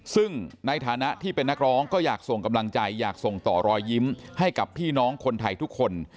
ซึ่งในฐานะที่เป็นนักร้องก็อยากส่งกำลังใจอยากส่งต่อรอยยิ้มให้กับพี่น้องคนไทยทุกคน